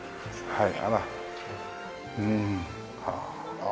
はい。